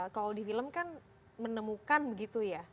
kalau di film kan menemukan begitu ya